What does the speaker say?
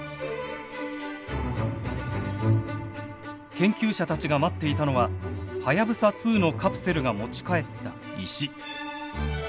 研究者たちが待っていたのははやぶさ２のカプセルが持ち帰った石。